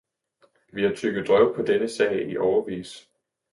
Vi har tygget drøv på denne sag i årevis.